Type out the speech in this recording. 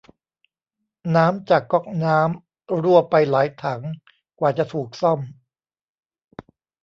น้ำจากก๊อกน้ำรั่วไปหลายถังกว่าจะถูกซ่อม